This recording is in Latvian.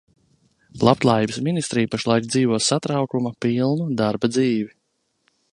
Labklājības ministrija pašlaik dzīvo satraukuma pilnu darba dzīvi.